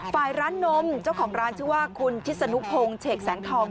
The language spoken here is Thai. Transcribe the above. ฝ่ายร้านนมเจ้าของร้านชื่อว่าคุณทิศนุพงศ์เฉกแสงทอง